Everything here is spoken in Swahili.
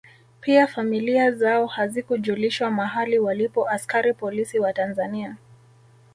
Pia familia zao hazikujulishwa mahali walipo askari polisi wa Tanzania